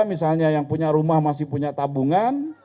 misalnya yang punya rumah masih punya tabungan